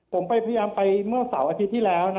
ผมไปพยายามไปเมื่อเสาร์อาทิตย์ที่แล้ว